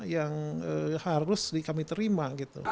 yang harus kami terima